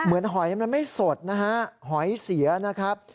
หอยมันไม่สดนะฮะหอยเสียนะครับ